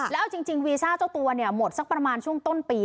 แล้วเอาจริงวีซ่าเจ้าตัวเนี่ยหมดสักประมาณช่วงต้นปี